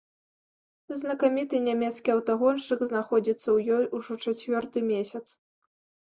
Знакаміты нямецкі аўтагоншчык знаходзіцца ў ёй ужо чацвёрты месяц.